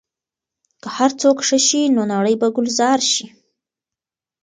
که هر څوک ښه شي، نو نړۍ به ګلزار شي.